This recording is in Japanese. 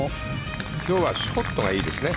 今日はショットがいいですね。